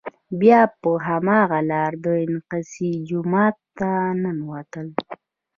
بیا په هماغه لاره الاقصی جومات ته ننوتل.